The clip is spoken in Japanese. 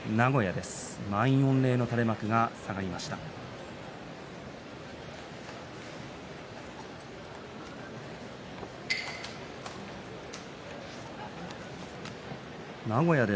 満員御礼の垂れ幕が下がりました名古屋場所。